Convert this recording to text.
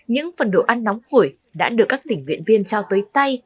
những phần đồ ăn nóng khổi đã được các tỉnh viện viên trao tới tay